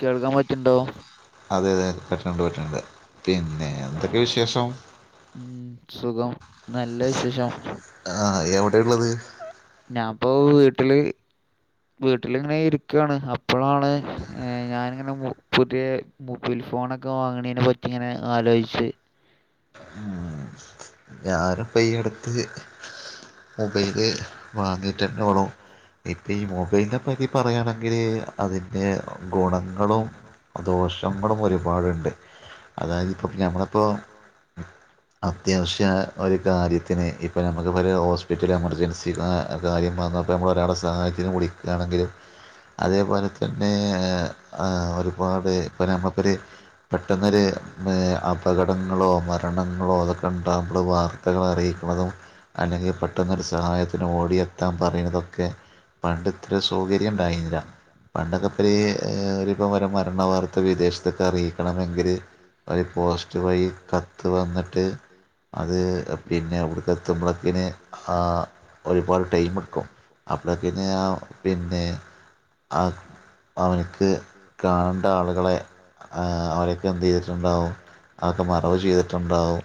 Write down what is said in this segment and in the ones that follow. കേൾക്കാംപറ്റിണ്ടോ അതെ അതെ പറ്റണ്‌ണ്ട് പറ്റുണ്‌ണ്ട് പിന്നെ എന്തൊക്കെ വിശേഷം? ഉം സുഖം നല്ല വിശേഷം. ആഹ എവിടെ ഉള്ളത്? ഞാാനപ്പോവീട്ടില്. വീട്ടിലിങ്ങനെ ഇരിക്കാണ് അപ്പളാണ് യെ ഞാാനിങ്ങനെ മു പുതിയെ.. മൊബൈൽ ഫോണൊക്കെ വാങ്ങണിനെ പറ്റി ഇങ്ങനെ ആലോചിച്ച്.. ഞാനിപ്പൊ ഈ അടുത്ത് മൊബൈല് വാങ്ങിട്ട്ന്നെളു.. ഇപ്പം ഈ മൊബൈലിനെ പറ്റി പറയുകയാണെങ്കിൽ അതിൻ്റെ ഗുണങ്ങളും.. ദോഷങ്ങളും ഒരുപാടുണ്ട് അതായത് ഇപ്പം ഞമ്മളെ.. ഇപ്പോൾ അത്യാവശ്യം.. ഒരു കാര്യത്തിന് ഇപ്പം നമുക്ക് പല ഹോസ്പിറ്റൽ എമർജൻസി കാ കാര്യം വന്നപ്പോൾ നമ്മൾ ഒരാള സഹായിക്ക ത്തിന് വിളിക്കാണെങ്കിലും അതേപോലെ തന്നെ ഏ ആഹ ഒരുപാട് ഇപ്പം നമ്മളിപ്പൊര്.. പെട്ടെന്നൊര് അപകടങ്ങളോ മരണങ്ങളോ അതൊക്കെ ണ്ട് നമ്മൾ വാർത്തകൾ അറിയിക്ക്ണതും അല്ലങ്കിൽ പെട്ടെന്നരു സഹായത്തിനു ഓടിഎത്താൻ പറയണതൊക്കെ.. പണ്ടത്രെ സൗകര്യംണ്ടായിന്നില്ല. പണ്ടൊക്കെപ്പരി എ ഒരുരിപ്പം ഒരു മരണ വാർത്ത വിദേശത്തൊക്കെ അറിയിക്കണമെങ്കിൽ.. ഒരു പോസ്റ്റ് പോയി കത്ത് വന്നിട്ട്, അത് പിന്നെ അവിടുത്തെത്തുമ്പളക്കിന് ആഹ ഒരുപാട് ടൈമെഎടുക്കും അപ്പ പിന്നെ ആഹ അവനിക്ക് കാണേണ്ട ആളുകളെ അവരെയൊക്കെ എന്ത് ചെയ്തിട്ടുണ്ടകും അതൊക്കെ മറവ് ചെയ്തിട്ടുണ്ടാകും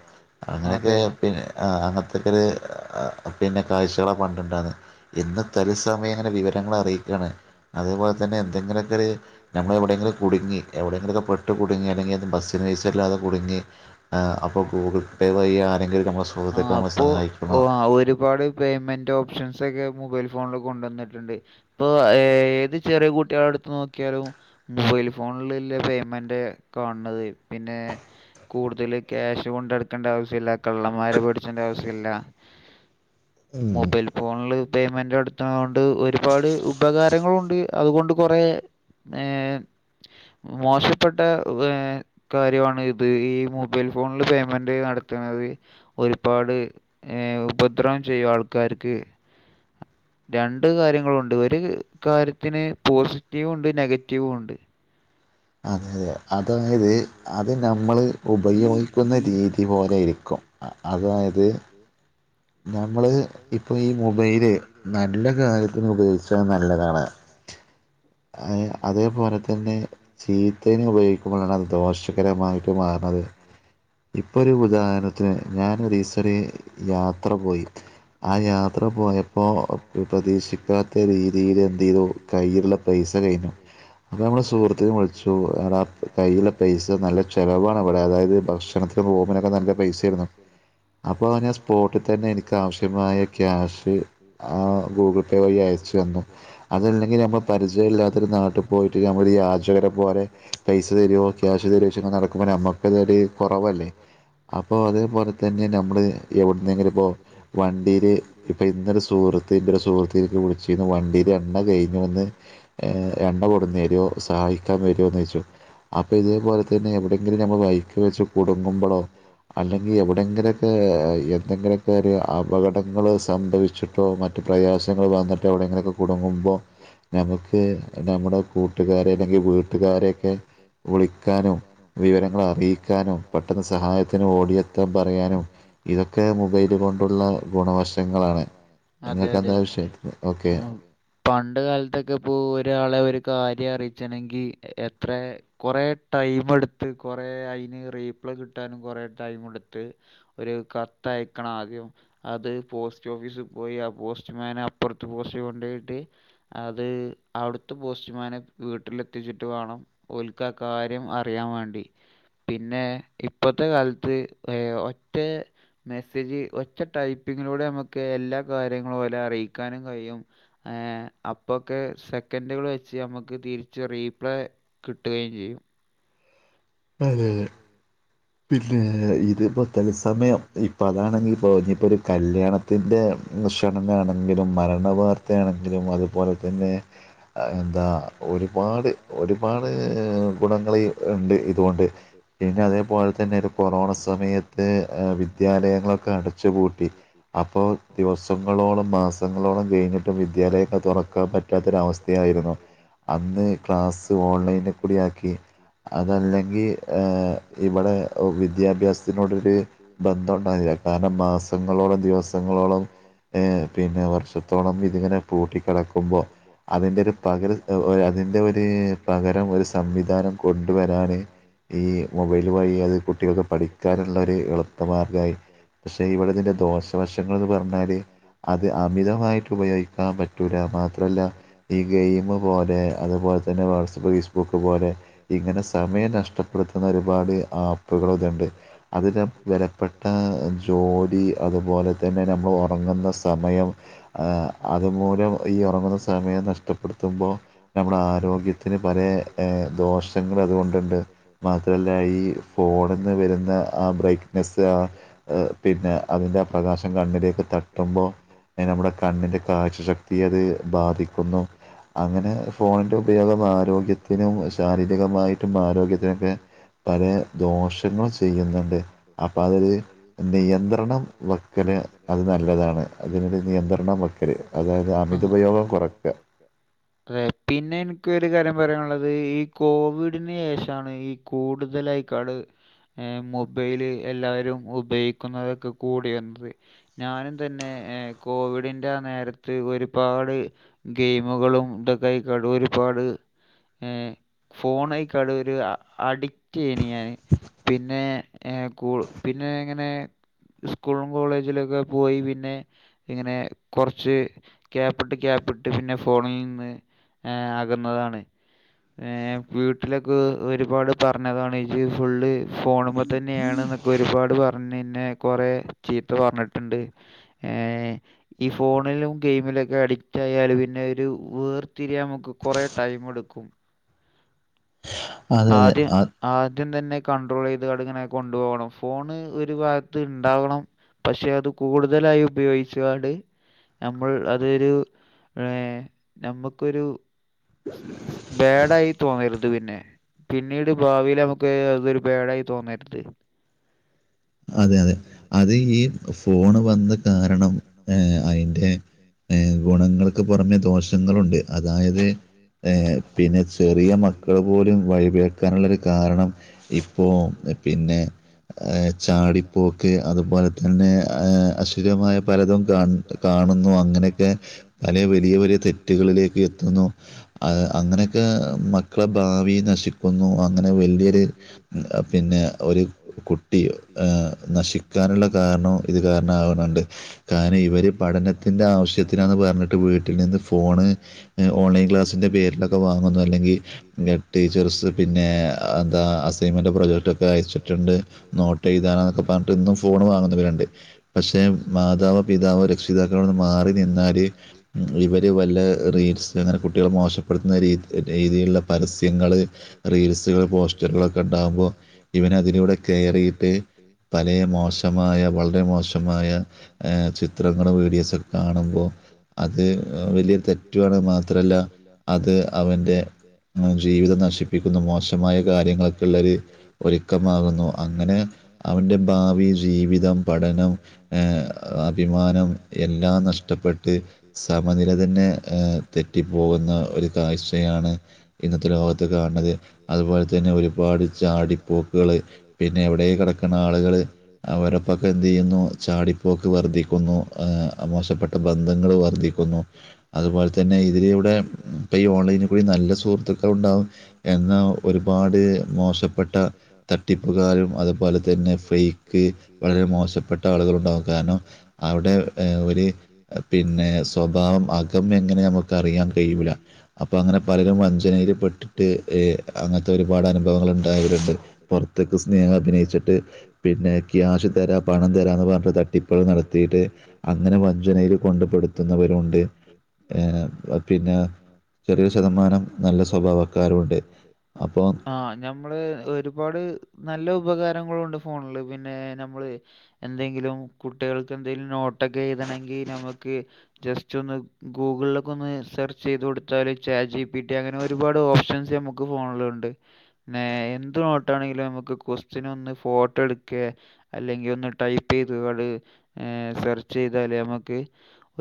അങ്ങനെയൊക്കെ പിന്നെ അങ്ങനത്തക്ക ഒരു പിന്നെ കാഴ്ചകളെ പണ്ട് ഉണ്ടായിരുന്നെ ഇന്ന് തലസമയം ഇങ്ങനെ വിവരങ്ങൾ അറിയിക്കുകയാണ് അതേപോലെ തന്നെ എന്തെങ്കിലുമൊക്കെ ഒരു നമ്മളെവിടെയെങ്കിലും കുടുങ്ങി എവിടെെങ്കിലൊക്കെ പെട്ടു കുടുങ്ങി ബസ്സിന് പൈസ ഇല്ലാതെ കുടുങ്ങി അപ്പോൾ ഗൂഗിൾ പേ വഴി ആരെങ്കിലും നമ്മളുടെ സുഹൃത്തുക്കളെ നമ്മെ സഹായിക്കണോ ആഹ ഒരുപാട് പേയ്മെന്റ് ഓപ്ഷൻസ് ഒക്കെ മൊബൈൽ ഫോണില് കൊണ്ടുവന്നിട്ടുണ്ട് ഇപ്പൊ ഏത് ചെറിയ കുട്ടികളെടുത്ത് നോക്കിയാലും മൊബൈൽ ഫോണിലെ പേയ്മെന്റ് കാണത് പിന്നെ കൂടുതൽ ക്യാഷ് കൊണ്ട് നടക്കേണ്ട ആവശ്യമില്ല കള്ളന്മാരെ പേടിച്ചുകൊണ്ട് ഇല്ല മൊബൈൽ ഫോണില് പേയ്മെന്റ് നടത്തുന്ന കൊണ്ട് ഒരുപാട് ഉപകാരങ്ങളുണ്ട് അതുകൊണ്ട് കൊറെ ഏ മോശപ്പെട്ട ഏ കാര്യമാണ് അത് ഈ മൊബൈൽ ഫോണില് പേയ്മെന്റ് നടത്തുന്നത് ഒരുപാട് ഏ ഉപദ്രവം ചെയ്യും ആൾക്കാർക്ക് രണ്ട് കാര്യങ്ങളുണ്ട് ഒരു കാര്യത്തിന് പോസിറ്റീവും ഉണ്ട് നെഗറ്റീവും ഉണ്ട് അത് അതായത് അത് നമ്മൾ ഉപയോഗിക്കുന്ന രീതി പോലെ ഇരിക്കും അതായത് നമ്മള് ഇപ്പോൾ ഈ മൊബൈല് നല്ല കാര്യത്തിന് ഉപയോഗിച്ച നല്ലതാണ് ആഹ് അതേപോലെ തന്നെ ചീത്തയും ഉപയോഗിക്കുമ്പോഴാണ് അത് ദോഷം ഭയങ്കരമായിട്ട് മാറുന്നത് ഇപ്പൊ ഒരു ഉദാഹരണത്തിന് ഞാൻ ഒരീസം ഒരു യാത്ര പോയി ആഹ യാത്ര പോയപ്പോൾ പ്രതീക്ഷിക്കാത്ത രീതിയിൽ എന്ത് ചെയ്തു കൈയുള്ള ഇര്ന്ന പൈസകയ്ഞ്ഞു. അപ്പൊ നമ്മള് സുഹൃത്തു വിളിച്ചുട കയ്യിലെ പൈസ പൈസ നല്ല ചെിലവാണ് അവിടെ അതായത് ഭക്ഷണത്തി റൂമിന് ഒക്കെ നല്ല പൈസ ആരുന്നു അപ്പോൾ അവൻ ആ സ്പോട്ടിൽ അപ്പോൾ തന്നെ എനിക്ക് ആവശ്യമായ ക്യാഷ് ആഹഗൂഗിൾ പേ വഴി അയച്ചു തന്നു അതല്ലെങ്കിൽ നമ്മൾ പരിചയം ഇല്ലാത്ത നാട്ടിൽ പോയിട്ട് നമ്മൾ യാചകരെ പോലെ പൈസ തരുമോ ക്യാഷ് നടക്കുമ്പോൾ നമുക്ക് തന്നെ അതൊരു കുറവല്ലേ അപ്പോ അതേപോലെ നമ്മള് എെങ്കില ഇപ്പോൾ വണ്ടിൽ ഇപ്പോൾ ഇന്നൊരു സുഹൃത്ത് ഇൻ്റെ ഒരു സുഹൃത്തേക്ക് വിളിച്ചച്ച് വണ്ടിൽ എണ്ണ കഴിഞ്ഞു വന്ന് ഏ എണ്ണ കൊണ്ട് വന്നു സഹായിക്കാൻ വരുമോ എന്ന് ചോദച്ചു അപ്പോൾ ഇതേപോലെ തന്നെ എവിടെയെങ്കിലും നമ്മൾ വഴിക്കു വെച്ച് കുടുങ്ങുമ്പോഴോ അല്ലെങ്കിൽ എവിടെയെങ്കിലും ത് അയ് എന്തെങ്കിലും ഒക്കെ ഒരു അപകടങ്ങൾ സംഭവിച്ചിട്ടോ മറ്റ പ്രയാസങ്ങൾ വന്നിട്ടോ അവിടെ എങ്കിലെയൊക്കെ കുടുങ്ങുമ്പോൾ നമുക്ക് നമ്മുടെ കൂട്ടുകാരെ അല്ലെങ്കിൽ വീട്ടുകാരെയൊക്കെ വിളിക്കണോ വിവരങ്ങളൾ അറിയിക്കാനും പെട്ടെന്ന് സഹായത്തിന് ഓടിയെത്തുവാനോ പറയാനും ഇതൊക്കെ മൊബൈല് കൊണ്ടുള്ള ഗുണം അതെ അതെ പണ്ട കാലത്തൊക്കെ ഇപ്പോ ഒരാളെ ഒരു കാര്യം അറിയിച്ചണെങ്കി എത്ര കുറെ ടൈമ എടുത്ത് കുറെ അതിന് റീപ്ലോ കിട്ടാനും കുറേ ടൈം എടുത്ത് ഒരു കത്ത് അയക്കണം ആദ്യം അത് പോസ്റ്റ് ഓഫീസി പോയി ആ പോസ്റ്റ്മാൻ അപ്പുറത്ത് പോസ്റ്റ് കൊണ്ടയിട്ട് അത് അവിടുത്തെ പോസ്റ്റിമാനെ വീട്ടിലെത്തിച്ചിട്ട് വേണം ഒൽക്ക കാര് അറിയാൻ വേണ്ടി പിന്നെ ഇപ്പോത്തെ കാലത്ത് ഒറ്റ മെസ്സേജ് ഒറ്റ ടൈപ്പിങ്ങിലൂടെ നമുക്ക് എല്ലാ കാര്യങ്ങളും ഒരേ അറിയിക്കാനും കഴിയും ഏ അപ്പൊക് സെക്കന്റുകള് വെച്ച് ഞമ്മക്ക് തിര്ച്ച് റീപ്ലേ കിട്ടുകയും ചെയ്യും അതെതെ പിന്നെ ഇതിപ്പോൾതത്സമയം ഇപ്പൊ അതാണെങ്കിപ്പോ ഇപ്പോ ഒരു കല്യാണം കല്യാണത്തിന്റെക്ഷണണെങ്കിലും മരണവാർത്തയാണെങ്കിലും അതുപോലെ തന്നെ അന്താ ഒരുപാട് ഒരുപാട്.. ഗുണങ്ങള് ണ്ട് ഇതുകൊണ്ട് പിന്നെ അതേപോലെതന്നെയാണ് കൊറോണ സമയത്ത് ആ വിദ്യാലയങ്ങളൊക്കെ അടച്ചുപൂട്ടി അപ്പോ ദിവസങ്ങളോളം മാസങ്ങളോളം കെഴിഞ്ഞിട്ടും വിദ്യാലയൊക്കെ തൊറക്കാൻ പറ്റാത്തരവസ്ഥയായിരുന്നു അന്ന് ക്ലാസ് ഓൺലൈനികൂടെയാക്കി അതല്ലെങ്കി ഏ ഇവ്ടെ വിദ്യാഭ്യാസത്തിനോടൊരു ബന്ധം ഉണ്ടകാണ് കാർണം മാസങ്ങളോളം ദിവസങ്ങളോളം ഏ പിന്നെ വർഷത്തോളം ഇതിങ്ങനെ പൂട്ടിക്കെടുക്കുമ്പോഅതിൻ്റെ ഒരു പകര ദേ ഒ അതിൻ്റെ ഒരു പകരം ഒരു സംവിധാനം കൊണ്ടുവരാന് ഈ ഈ മൊബൈൽ വഴി അത് കുട്ടികൾക്ക് പഠിക്കാനുള്ളര് എളുപ്പ മാർഗായി പക്ഷെ ഇവിടെ ഇതിന്റെ ദോശ ദോശവശങ്ങൾന്ന് പറഞ്ഞാല് അത് അമിതമായിട്ട് ഉപയോഗിക്കാപറ്റൂല മാത്രല ഈ ഗെയിമ് പോലെ അത്പോൽ തന്നെ വാട്സപ്പ് ഫേസ്ബുക്ക് പോലെ ഇങ്ങനെ സമയം നഷ്ടപ്പെടു ുന്ന ഒരുപാട് ആപ്പുക ഇതുണ്ട് അതിൽ വിലപ്പെട്ട ജോലി അതുപോലെ തന്നെ നമ്മൾഒർങ്ങുന്നസമയം അതുമൂലം ഈ ഒർങ്ങുന്ന സമയം നഷ്ടപ്പെടു ത്തുമ്പോ നമ്ളെ ആരോഗ്യത്തിന് പലെ ഏ ദോഷങ്ങളതുകൊണ്ടുണ്ട് പത് എല്ലഈ ഫോണ്ന്ന് വരുന്ന ആ ബ്രൈറ്റ്നെസ്സ് ആ പിന്നെ അതിൻ്റെ പ്രകാശം കണ്ണിലേക്ക് തട്ടുമ്പോനമ്മുടെ കണ്ണിൻ്റെ കാഴ്ചശക്തി അത് ബാധിക്കുന്നു അങ്ങനെ ഫോണിന്റെ ഉപയോഗം ആരോഗ്യത്തിനും ശാരീരികമായിട്ടും ആരോഗ്യത്തിനൊക്കെ അക്കെ പലെ ദോഷങ്ങളും ചെയ്യുന്നുണ്ട് അപ്പംഅതൊരു നിയന്ത്രണം വ ക്കല് അത് നല്ലതാണ് അതിനൊരു നിയന്ത്രണം വക്കല് അതായത് അമിത ഉപയോഗം കൊറയ്ക്ക റെ പിന്നെ എനിക്ക് ഒരു കാര്യം പറയാനുള്ളത് ഈ കോവിഡിന് ശേഷാണ് ഈ കൂടുതലായിക്കാട് ഏ മൊബൈല് എല്ലാരും ഉപയോഗിക്കുന്നതൊക്കെ കൂടി വന്നത് ഞാനും തന്നെ ഏ കോവിഡിന്റെ ആ നേരത്ത് ഒരുപാട് ഗെയിമുകളും ഇതൊകൈക്കാട് ഒരുപാട് ഏ ഫോണേക്കടെരുവ അഡിക്റ്റ്നുയാൻ പിന്നെ ഏ കൂ പിന്നെ ഇങ്ങനെ സ്കൂളും കോളേജിലൊക്കെ പോയി പിന്നെ ഇങ്ങനെ കൊർച്ച് ക്യാപ്പിട്ട് ക്യാപ്പിട്ട് പിന്നെ ഫോണീന്ന് ഏഹ് അകന്നതാണ് ഏഹ് വീട്ടിലൊക് ഒരു ഒരുപാട് പറഞ്ഞതാണ്ജി ഫുള്ള് ഫോണുമ്മതെന്നെയാണ് ന്നെക്കെ ഒരുപാട് പറഞ്ന്നെ കൊറേ ചീത്ത പർഞ്ഞിട്ടുണ്ട് ഏഹ് ഈ ഫോണിലും ഗെയിമിലൊക്കെ അഡിക്റ്റയാല് പിന്നെ ഒരു വേർതിരിയാമുക്ക് കുറേ ടൈമെട് ക്കും ആദ്യം ആദ്യം തന്നെ കണ്ട്രോളെയ്ത് കാട് ങ്ങനെ കൊണ്ടുപോണം ഫോണ് ഒരു ഭാഗത്ത്ണ്ടാവണം പക്ഷെ അത് കൂടുതലായി ഉപയോഗിച്ച്ങ്ങാട് ഞമ്മൾ അതൊരു ഏഹ് ഞമ്മക്കൊരു ബേടായി തോന്നരുത് പിന്നെ പിന്നീട് ഭാവിലമ്മക് അതൊരു ബേടായി തോന്നര്ത് അതെ അതെ അത് ഈ ഫോണ് വന്ന കാരണം ഏഹ് അയിന്റെ ഏഹ് ഗുണങ്ങൾക്ക് പുറമെ ദോഷങ്ങളുണ്ട് അതായത് ഏഹ് പിന്നെ ചെറിയ മക്കള് പോലും വഴിപെഴക്കാനുള്ളൊരു കാരണം ഇ പോം പിന്ന ഏഹ് ചാടിപ്പോക്ക് അതുപോലെ തന്നെ ഏഹ് അശുരമായ പലതും കാൺണ്ട് കാണുന്നു അങ്ങനെക്കെ പലെ വലിയ വലിയ തെറ്റുകളിലേക്ക് എത്തുന്നു അഹ് അങ്ങനെ ക്കെ മക്കളെ ഭാവി നശിക്കുന്നു അങ്ങനെ വലിയൊരു പിന്നെ ഒരു കു ട്ടി എഹ് നശിക്കാനുള്ള കാരണവും ഇത് കാരണമാകുന്നുണ്ട് കാരണം ഇവർ പഠന ത്തിന്റെ ആവശ്യത്തിനാണെന്ന് പറഞ്ഞിട്ട് വീട്ടിൽ നിന്ന് ഫോണ് ഓൺലൈൻ ക്ലാസ്സിന്റെ പേരിലത് വാങ്ങും അതും അല്ലെങ്കിൽ മ്യ ടീച്ചേഴസ് പിന്നെ എന്താ അസൈൻമെന്റ് പ്രോജക്ട് ഒക്കെ അയച്ചിട്ടുണ്ട് നോ ട്ട് എഴുതാനൊക്കെ പറഞ്ഞിട്ട് ഇന്നും ഫോൺ വാങ്ങുന്നവരുണ്ട് പക്ഷെ മാതാവോ പിതാവോര് രക്ഷിതാക്കളോട് മാറി നിന്നാല് ഇവര് വല്ല റീറ്റ്സ് അങ്ങനെ കുട്ടികൾ മോശപ്പെടുത്തുന്ന ഈ രീതിയിലുള്ള പരസ്യങ്ങള് റീൽസുകൾ പോസ്റ്ററുകളൊക്കെ ഉണ്ടാകുമ്പോ ഇവൻ അതിലൂടെ കയറിയിട്ട് പലെ മോശമായ വളരെ മോശമായ എഹ് ചിത്രങ്ങളും വീഡിയോസൊക്കെ കാണുമ്പൊ അത് വലിയ തെറ്റു ആണ് മാത്രമല്ല അത് അവന്റെ ജീവിതം നശിപ്പിക്കുന്ന മോശമായ കാര്യങ്ങളൊക്കെ ഉള്ളര് ഒരുക്കമാകുന്നു അങ്ങനെ അവന്റെ ഭാവി ജീവിതം പഠനം ഏഹ് അഭിമാനം എല്ലാം നഷ്ടപ്പെട്ട് സമനില തന്നെ എഹ് തെറ്റിപ്പോകുന്ന ഒരു കാഴ്ച യാണ് ഇന്നത്തെ ലോകത്ത് കാണുന്നത് അതുപോലെ തന്നെ ഒരുപാട് ചാടിപ്പോക്കുകൾ പിന്നെ എവിടെ കട ക്കണാളുകൾ അവരൊപ്പൊക്കെ എന്ത് ചെയ്യുന്നു ചാടിപ്പോക്ക് വർധിക്കുന്നു ഏഹ് മോശപ്പെ ബന്ധങ്ങൾ വർധിക്കുന്നു അതുപോലെ തന്നെ ഇതിലൂടെ ഇപ്പ ഈ ഓ ൺലൈനിൽ കൂടി നല്ല സുഹൃത്തുക്കൾ ഉണ്ടാവും എന്ന ഒരുപാട് മോശപ്പെട്ട തട്ടിപ്പുകാരും അതുപോലെ തന്നെ ഫെയ്ക്ക് വളരെ മോശപ്പെട്ട ആളുകളുണ്ടാകും കാരണം അവിടെ ഒരു പിന്നെ സ്വഭാവം അകമെ എങ്ങനെ നമുക്ക് അറിയാൻ കഴിയൂല അപ്പൊ അങ്ങനെ പലരും വഞ്ചനയില് പെട്ടിട്ട് ഹ് അങ്ങൻത്തെ ഒരുപാട് അനുഭവങ്ങൾ ഉണ്ടായവരുണ്ട് പൊർത്ക്ക് സ്നേഹം അഭിനയിച്ച് ട്ട് പിന്നെ ക്യാഷ് തരാ പണം തരാ എന്ന് പറഞ്ഞിട്ട് തട്ടിപ്പുകൾ നടത്തിയിട്ട് അങ്ങനെ വഞ്ചനയിൽ കൊണ്ടുപെടുത്തുന്നവരുണ്ട് ഏഹ് പിന്നെ ഇരുപത് ശതമാനം നല്ല സ്വഭാവക്കാരുണ്ട് ആഹ് ഞാൻ മ്മള് ഒരുപാട് നല്ല ഉപകാരങ്ങളുണ്ട് ഫോണില് പിന്നെ നമ്മള് എന്തെങ്കിലും കുട്ടികൾക്ക് എന്തെങ്കിലും നോട്ടൊക്കെ എഴുതണങ്കി നമുക്ക് ജസ്റ്റ് ഒന്ന് ഗൂഗിളിലൊക്കെ ഒന്ന് സെർച്ച്യ്ത് കൊടു താല് ചാറ്റ് ജി പി ടി അങ്ങനെ ഒരുപാട് ഓപ്ഷൻസ് നമുക്ക് ഫോണിലുണ്ട് പിന്നെ എന്ത് നോട്ടാണെങ്കിലും നമുക്ക് ക്വസ്റ്റ്യൻ ഒന്ന് ഫോട്ടോ എടുക്ക അല്ലെങ്കിൽ ഒന്ന് ടൈപ്പ് ചെയ്ത്കള് ഏ സെർച്ച് ചെയ്താലേ നമുക്ക്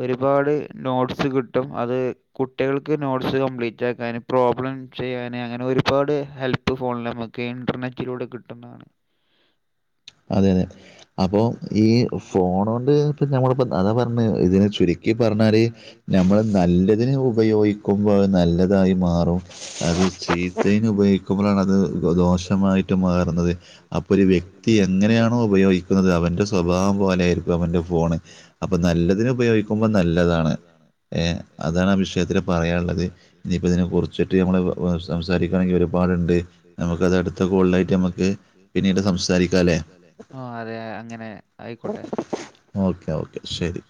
ഒരുപാട് നോട്സ് കിട്ടും അത് കുട്ടികൾ ക്ക് നോട്ട്സ് കംപ്ലീറ്റ് ആക്കാൻ പ്രോബ്ലം ചെയ്യാൻ അങ്ങനെ ഒരുപാട് ഹെൽപ്പ് ഫോണിൽ നമുക്ക് ഒക്കെ ഇന്റർനെറ്റിലൂടെ കിട്ടുന്നതാണ് അതെ അതെ അപ്പൊ ഈ ഫോൺ കൊണ്ട് ഇപ്പ ഞമ്മളപ്പ അതാ പറഞ്ഞ ഇതിന് ചുരു ചുരുക്കി പറഞ്ഞാല് നമ്മള് നല്ലതിന് ഉപയോഗി അത് നല്ലതായി മാറും അത് ചീത്തെനെ ഉപയോഗിക്കുമ്പോഴാണത് ദോഷമായി മാറുന്നത് അപ്പൊ ഒരു വ്യക് തി എങ്ങനെയാണോ ഉപയോഗിക്കുന്നത് അവന്റെ സ്വഭാവം പോലെ ആയിരിക്കും അവന്റെ ഫോണ് അപ്പൊ നല്ലതിനെ ഉപയോഗി നല്ലതാണ് ഏ അതാണ് ആഹ് വിഷയത്തില പറയാനുള്ളത് ഇനിയിപ്പ ഇതിനെ കുറിച്ചിട്ട് നമ്മള് സംസാരിക്കയാണെങ്കിൽ ഒരുപാടുണ്ട് നമുക്കത് അടുത്ത കോളിലായിട്ട് നമുക്ക് പിന്നീട് സംസാരിക്ക സംസാരിക്കല്ലേ ആഹ് അതെ അങ്ങനെ ആയിക്കോട്ടെ ഓക്കെ ഓക്കെ ശരി